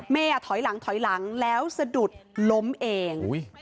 เมย์ถอยหลังแล้วสะดุดล้มเอง